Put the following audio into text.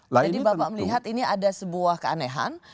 jadi bapak melihat ini ada sebuah keanehan